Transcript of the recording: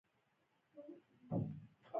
د نساجي صنعت ولې کمزوری شو؟